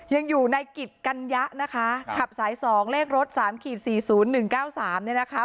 ยังอยู่ในกิจกัญญะนะคะขับสาย๒เลขรถ๓๔๐๑๙๓เนี่ยนะคะ